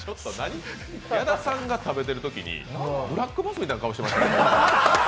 矢田さんが食べてるときにブラックバスみたいな顔してましたね。